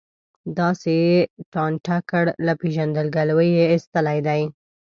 داسې یې ټانټه کړ، له پېژندګلوۍ یې ایستلی دی.